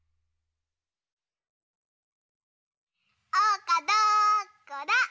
おうかどこだ？